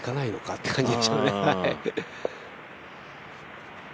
って感じでしょうね